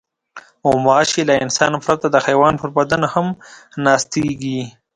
غوماشې له انسان پرته د حیوان پر بدن هم ناستېږي.